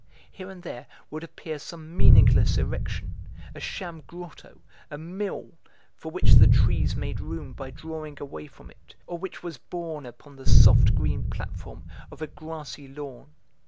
Here and there would appear some meaningless erection, a sham grotto, a mill, for which the trees made room by drawing away from it, or which was borne upon the soft green platform of a grassy lawn.